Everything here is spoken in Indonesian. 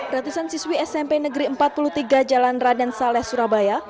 ratusan siswi smp negeri empat puluh tiga jalan raden saleh surabaya